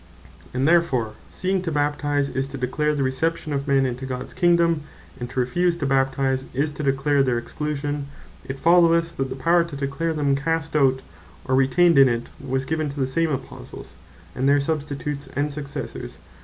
And therefore seeing to Baptize is to declare the Reception of men into Gods Kingdome; and to refuse to Baptize is to declare their Exclusion; it followeth, that the Power to declare them Cast out, or Retained in it, was given to the same Apostles, and their Substitutes, and Successors.